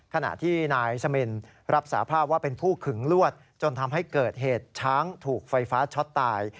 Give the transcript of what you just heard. ขณะที่นายสมินรับสาภาพว่าเป็นผู้ขึงลวดจนทำให้เกิดเหตุช้างถูกไฟฟ้าช็อตตาย